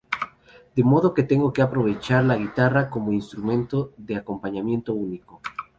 De modo que tengo que aprovechar la guitarra como un instrumento de acompañamiento único.